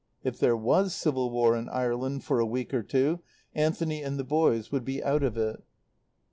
If there was civil war in Ireland for a week or two, Anthony and the boys would be out of it.